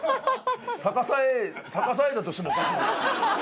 逆さ絵逆さ絵だとしてもおかしいですしね。